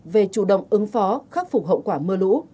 về chủ động ứng phó khắc phục hậu quả mưa lũ